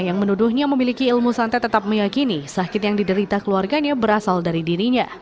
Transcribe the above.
yang menuduhnya memiliki ilmu santai tetap meyakini sakit yang diderita keluarganya berasal dari dirinya